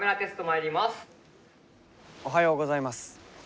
おはようございます。